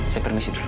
saya permisi dulu